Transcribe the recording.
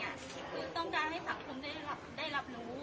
แล้วที่หนูออกมาเนี่ยคือต้องการให้สังคมได้รับรู้